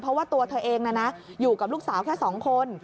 เพราะว่าตัวเธอเองอยู่กับลูกสาวแค่๒คน